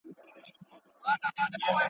د وطن په قدر مساپر ښه پوهېږي !.